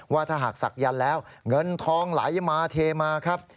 ว่าถ้าหากศักยันต์แล้วเงินทองไหลมาเทมาครับ